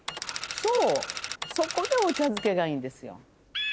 そうそこでお茶漬けがいいんですよ。